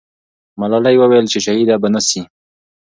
ملالۍ وویل چې شهیده به نه سي.